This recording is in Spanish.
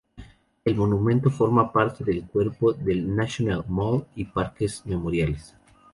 El monumento forma parte del cuerpo de National Mall y Parques Memoriales.